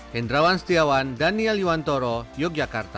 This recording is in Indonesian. hendrawan setiawan daniel yuwantoro yogyakarta